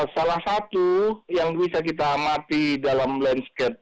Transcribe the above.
salah satu yang bisa kita amati dalam landscape